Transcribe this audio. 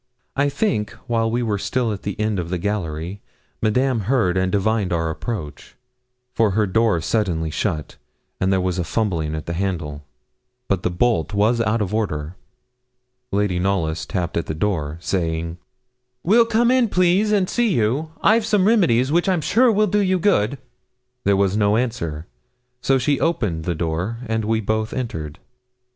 I think, while we were still at the end of the gallery, Madame heard and divined our approach, for her door suddenly shut, and there was a fumbling at the handle. But the bolt was out of order. Lady Knollys tapped at the door, saying 'we'll come in, please, and see you. I've some remedies, which I'm sure will do you good.' There was no answer; so she opened the door, and we both entered.